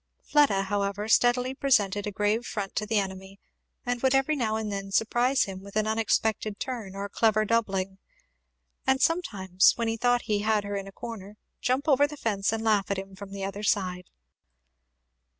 Fleda however steadily presented a grave front to the enemy, and would every now and then surprise him with an unexpected turn or clever doubling, and sometimes, when he thought he had her in a corner, jump over the fence and laugh at him from the other side.